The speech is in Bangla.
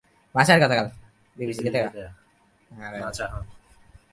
মাচার গতকাল বিবিসিকে দেওয়া সাক্ষাৎকারে দাবি করেন, তাঁর অনুগত বাহিনী শহরটির নিয়ন্ত্রণ নিয়েছে।